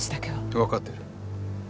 わかってる。